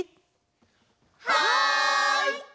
はい！